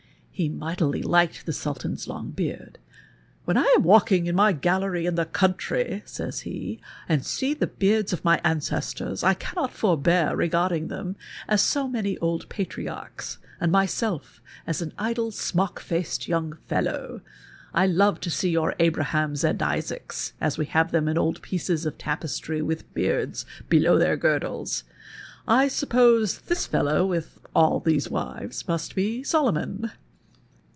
He mightily liked the Sultan's long beard. " When I am walking in my gallery in the country," says he, " and see the beards of my ancestors, I cannot forbear regarding them as so many old patriarchs, and myself as an idle smock faced young fellow. I love to sec your Abrahams and Isaacs, as we have them in old pieces of tapestry with beards below their girdles. I sup pose this fellow, witii all these wives, must l)e Solo mon."'